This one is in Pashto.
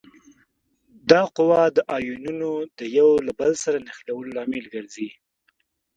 دا قوه د آیونونو د یو له بل سره نښلولو لامل ګرځي.